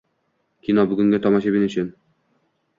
Kino bugungi tomoshabin uchun.